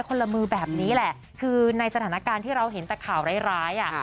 ละมือแบบนี้แหละคือในสถานการณ์ที่เราเห็นแต่ข่าวร้ายอ่ะ